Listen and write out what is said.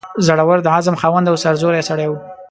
زړه ور، د عزم خاوند او سرزوری سړی وو.